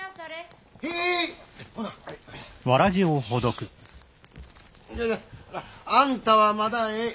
ほな。あんたはまだええ。